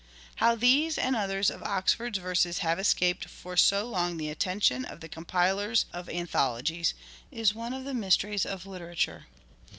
" How these and others of Oxford's verses have escaped for so long the attention of the compilers of anthologies is one of the mysteries of literature.